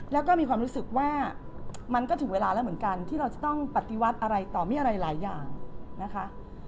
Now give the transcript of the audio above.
แล้วก็มีความรู้สึกว่ามันก็ถึงเวลาแล้วเหมือนกันที่เราจะต้องปฏิวัติอะไรต่อมีอะไรหลายอย่างนะคะ